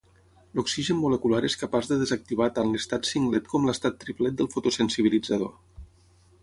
L’oxigen molecular és capaç de desactivar tant l’estat singlet com l’estat triplet del fotosensibilitzador.